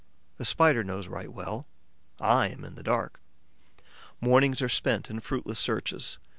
The Spider knows right well; I am in the dark. Mornings are spent in fruitless searches.